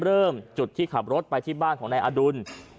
เริ่มจุดที่ขับรถไปที่บ้านของนายอดุล